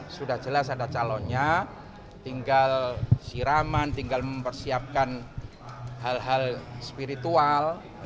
sudah jelas ada calonnya tinggal siraman tinggal mempersiapkan hal hal spiritual